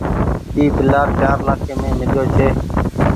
اي پلآٽ چآر لآکي مين ميليو ڇي ۔